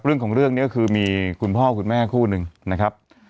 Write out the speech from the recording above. เรื่องของเรื่องนี้ก็คือมีคุณพ่อคุณแม่คู่หนึ่งนะครับ